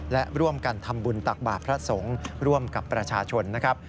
และร่วมกันทำบุญตักบาทพระสงฆ์ร่วมกับประชาชนนะครับ